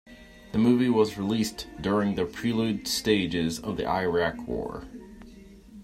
The movie was released during the prelude stage of the Iraq War.